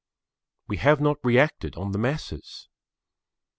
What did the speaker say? We have not reacted on the masses.